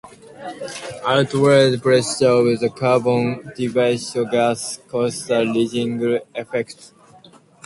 Outward pressure of the carbon dioxide gas causes the rising effect.